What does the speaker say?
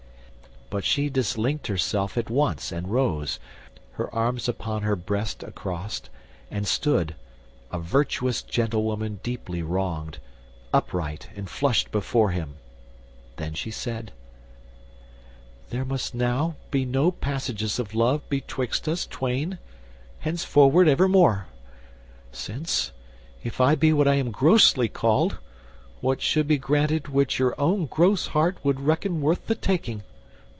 But she dislinked herself at once and rose, Her arms upon her breast across, and stood, A virtuous gentlewoman deeply wronged, Upright and flushed before him: then she said: "There must now be no passages of love Betwixt us twain henceforward evermore; Since, if I be what I am grossly called, What should be granted which your own gross heart Would reckon worth the taking?